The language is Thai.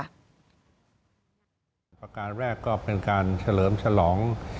อันที่๑ประการแรกก็เป็นการเฉลิมชะลอง